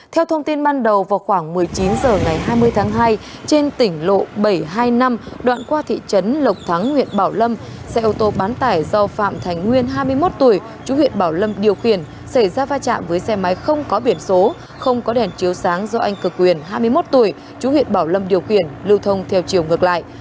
theo thông tin ban đầu vào khoảng một mươi chín h ngày hai mươi tháng hai trên tỉnh lộ bảy trăm hai mươi năm đoạn qua thị trấn lộc thắng huyện bảo lâm xe ô tô bán tải do phạm thành nguyên hai mươi một tuổi chú huyện bảo lâm điều khiển xảy ra va chạm với xe máy không có biển số không có đèn chiếu sáng do anh cực quyền hai mươi một tuổi chú huyện bảo lâm điều khiển lưu thông theo chiều ngược lại